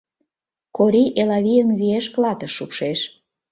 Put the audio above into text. Корий Элавийым виеш клатыш шупшеш.